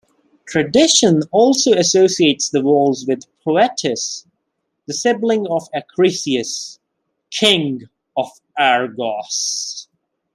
Tradition also associates the walls with Proetus, the sibling of Acrisius, king of Argos.